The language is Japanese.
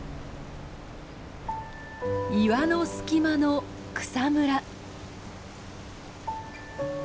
岩の隙間の草むら。